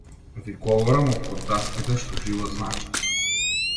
Ви говорам од под даските што живот значат!